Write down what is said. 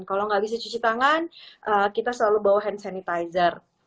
kalau nggak bisa cuci tangan kita selalu bawa hand sanitizer